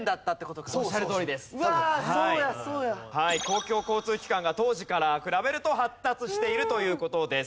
公共交通機関が当時から比べると発達しているという事です。